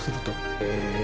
へえ。